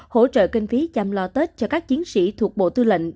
hỗ trợ kinh phí chăm lo tết cho các chiến sĩ thuộc bộ tư lệnh